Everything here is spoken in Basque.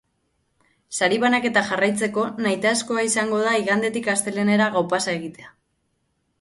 Sari-banaketa jarraitzeko nahitaezkoa izango da igandetik astelehenera gaupasa egitea.